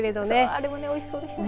あれもおいしそうでしたね。